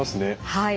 はい。